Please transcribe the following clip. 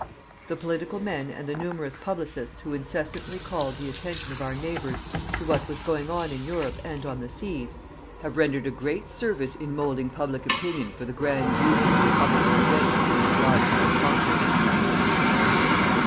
The political men and the numerous publicists who incessantly called the attention of our neighbours to what was going on in Europe and on the seas, have rendered a great service in moulding public opinion for the grand duty the Republic would eventually be obliged to accomplish.